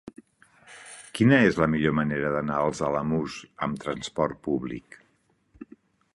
Quina és la millor manera d'anar als Alamús amb trasport públic?